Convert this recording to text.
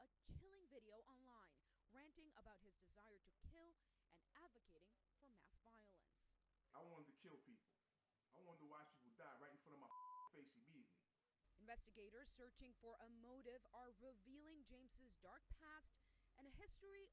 yang terakhir perjalanan mudik